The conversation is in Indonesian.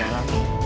rai surawisesa rai